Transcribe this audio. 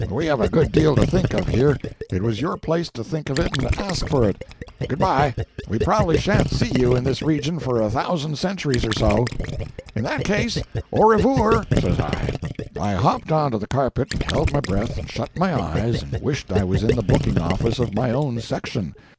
"We have a good deal to think of here; it was your place to think of it and ask for it. Good by; we probably sha'n't see you in this region for a thousand centuries or so." "In that case, o revoor," says I. I hopped onto the carpet and held my breath and shut my eyes and wished I was in the booking office of my own section.